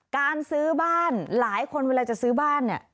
การซื้อบ้านหลายคนเวลาจะซื้อบ้านเนี่ย